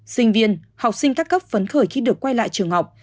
sinh viên học sinh các cấp phấn khởi khi được quay lại trường học